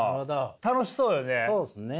楽しそうよね。